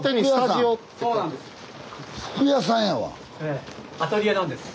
そうなんです。